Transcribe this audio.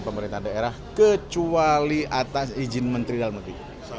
pemerintah daerah kecuali atas izin menteri dalam negeri